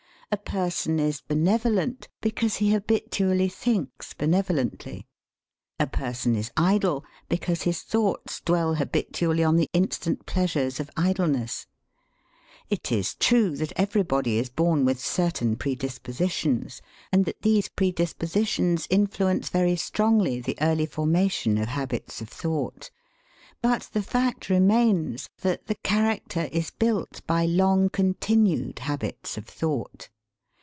A person is benevolent because he habitually thinks benevolently. A person is idle because his thoughts dwell habitually on the instant pleasures of idleness. It is true that everybody is born with certain predispositions, and that these predispositions influence very strongly the early formation of habits of thought. But the fact remains that the character is built by long continued habits of thought.